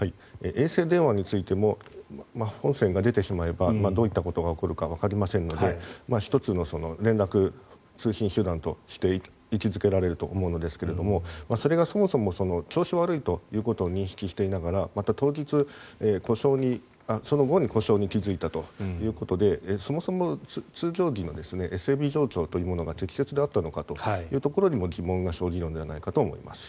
衛星電話についても本船が出てしまえばどういったことが起こるかわかりませんので１つの連絡通信手段として位置付けられると思うんですがそれがそもそも調子が悪いということを認識していながらまた、当日その後に故障に気付いたということでそもそも通常時の整備状況というのが適切であったのかというところにも疑問が生じるのではないかと思います。